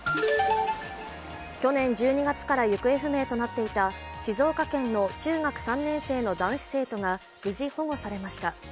去年１２月から行方不明となっていた静岡県の中学３年生の男子生徒が無事、保護されました。